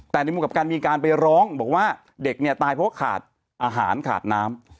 แต่ในมุมกับการมีการไปร้องบอกว่าเด็กเนี่ยตายเพราะว่าขาดอาหารขาดน้ำ